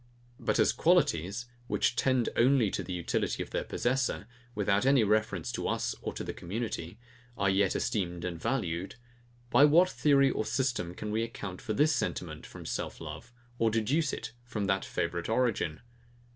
But as qualities, which tend only to the utility of their possessor, without any reference to us, or to the community, are yet esteemed and valued; by what theory or system can we account for this sentiment from self love, or deduce it from that favourite origin?